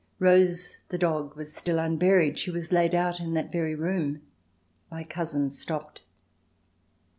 Rose, the dog, was still unburied; she was laid out in that very room. My cousin stopped.